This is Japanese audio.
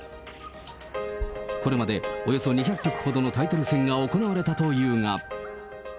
これまでおよそ２００局ほどのタイトル戦が行われたというが。